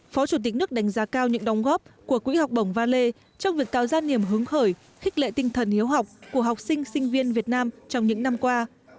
phó chủ tịch nước đánh giá cao những đóng góp của quỹ học bổng valet trong việc tạo ra niềm hứng khởi khích lệ tinh thần hiếu học của học sinh sinh viên việt nam trong những năm qua